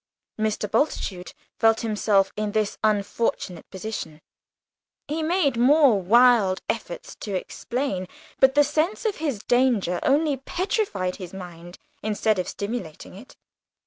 Mr. Bultitude felt himself in this unfortunate position. He made more wild efforts to explain, but the sense of his danger only petrified his mind instead of stimulating it.